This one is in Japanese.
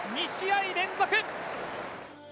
２試合連続！